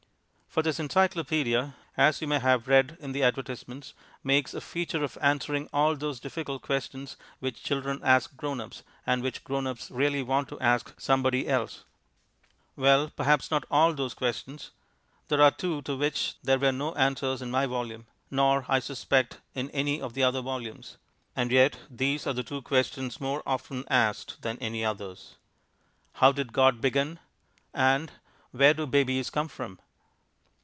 For this Encyclopaedia (as you may have read in the advertisements) makes a feature of answering all those difficult questions which children ask grown ups, and which grown ups really want to ask somebody else. Well, perhaps not all those questions. There are two to which there were no answers in my volume, nor, I suspect, in any of the other volumes, and yet these are the two questions more often asked than any others. "How did God begin?" and "Where do babies come from?"